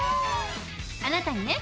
あなたにね